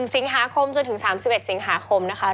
สิงหาคมจนถึง๓๑สิงหาคมนะคะ